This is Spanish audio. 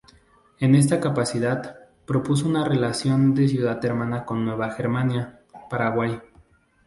En esta capacidad, propuso una relación de ciudad hermana con Nueva Germania, Paraguay.